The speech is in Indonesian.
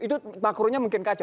itu makronya mungkin kacau